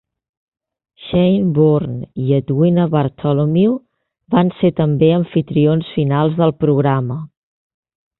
Shane Bourne i Edwina Bartholomew van ser també amfitrions finals del programa.